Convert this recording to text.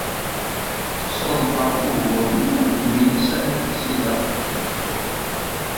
Tqeṣṣremt ɣef wugur-nni akked Milisa n At Ksila.